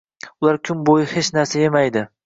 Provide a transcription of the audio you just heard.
Ular kun boʻyi hech narsa yemaydi